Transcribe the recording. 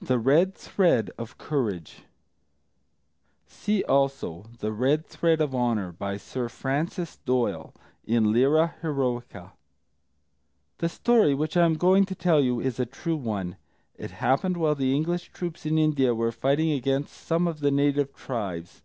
THE RED THREAD OF COURAGE [Footnote 1: See also The Red Thread of Honour, by Sir Francis Doyle, in Lyra Heroica.] This story which I am going to tell you is a true one. It happened while the English troops in India were fighting against some of the native tribes.